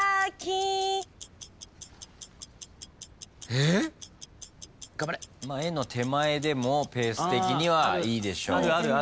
「え」の手前でもペース的にはいいでしょう。